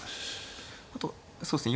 あとそうですね